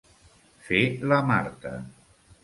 Fer la marta.